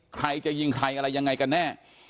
ใครจะยิงใครอะไรยังไงกันแน่